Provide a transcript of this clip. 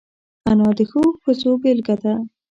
انا د ښو ښځو بېلګه ده